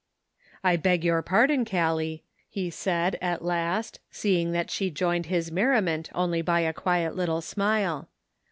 " I beg your pardon Gallic," he said, at last, seeing that she joined his merriment, only by a quiet little smile.